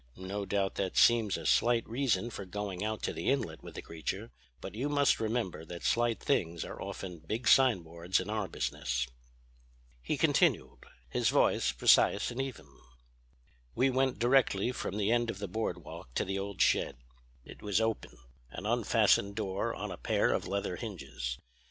No doubt that seems a slight reason for going out to the Inlet with the creature; but you must remember that slight things are often big signboards in our business." He continued, his voice precise and even "We went directly from the end of the Boardwalk to the old shed; it was open, an unfastened door on a pair of leather hinges.